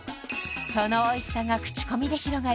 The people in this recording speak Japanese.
そのおいしさが口コミで広がり